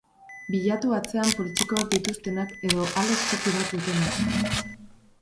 Bilatu atzean poltsikoak dituztenak edo aloz txiki bat dutenak.